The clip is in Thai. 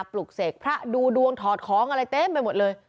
ปลุกเสกพระดูดวงถอดของอะไรเต็มไปหมดเลย